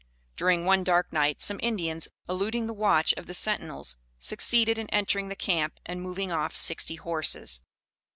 During one dark night, some Indians, eluding the watch of the sentinels, succeeded in entering the camp and moving off sixty horses.